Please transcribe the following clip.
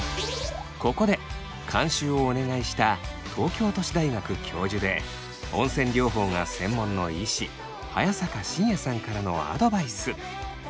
ここで監修をお願いした東京都市大学教授で温泉療法が専門の医師早坂信哉さんからのアドバイス。